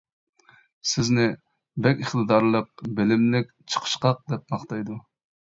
سىزنى «بەك ئىقتىدارلىق، بىلىملىك، چىقىشقاق» دەپ ماختايدۇ.